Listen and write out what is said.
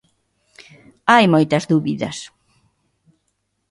Hai moitas dúbidas.